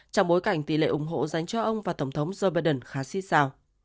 trong bối cảnh tỷ lệ ủng hộ dành cho ông và tổng thống joe biden khá xí xào